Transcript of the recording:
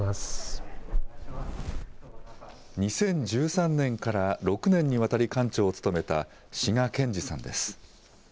２０１３年から６年にわたり館長を務めた志賀賢治さんです。